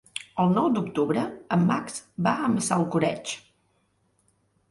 El nou d'octubre en Max va a Massalcoreig.